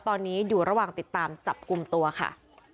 ตอนนี้อยู่ระหว่างติดตามจับกลุ่มตัวค่ะ